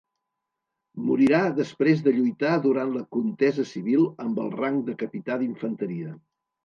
Morirà després de lluitar durant la contesa civil amb el rang de capità d'infanteria.